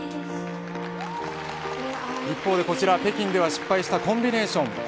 一方でこちら、北京では失敗したコンビネーション